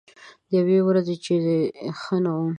د یوې ورځې چې ښه نه وم